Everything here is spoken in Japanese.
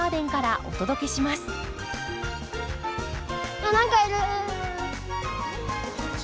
あっ何かいる！